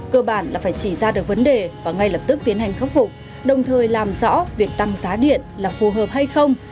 cơ bản là phải chỉ ra được vấn đề và ngay lập tức tiến hành khắc phục đồng thời làm rõ việc tăng giá điện là phù hợp hay không